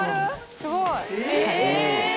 すごい！」